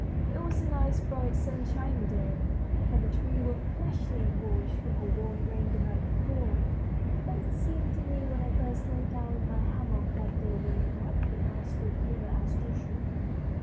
It was a nice, bright, sunshiny day, and the trees were freshly washed from a warm rain the night before, but it seemed to me when I first lay down in my hammock that they were not in as good humor as usual.